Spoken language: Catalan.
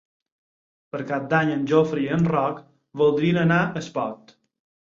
Per Cap d'Any en Jofre i en Roc voldrien anar a Espot.